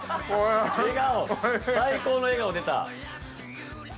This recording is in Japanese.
◆笑顔、最高の笑顔出た。